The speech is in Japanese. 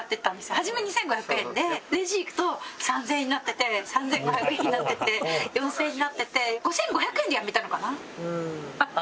初め２５００円でレジ行くと３０００円になってて３５００円になってて４０００円になってて。